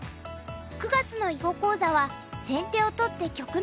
９月の囲碁講座は「先手を取って局面リード！」。